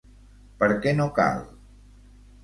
Per què no cal?